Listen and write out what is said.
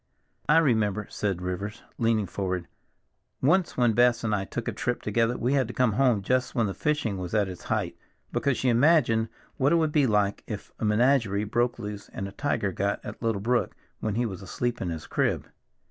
"I remember," said Rivers, leaning forward, "once when Bess and I took a trip together we had to come home just when the fishing was at its height, because she imagined what it would be like if a menagerie broke loose and a tiger got at little Brook when he was asleep in his crib.